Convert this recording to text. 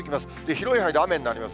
広い範囲で雨になります。